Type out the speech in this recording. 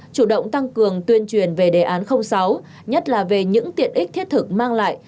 chủ động tăng cường tuyên truyền về đề án sáu nhất là về những tiện ích thiết thực mang lại